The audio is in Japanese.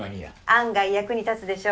案外役に立つでしょ。